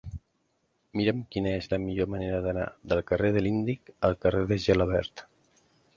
Mira'm quina és la millor manera d'anar del carrer de l'Índic al carrer de Gelabert.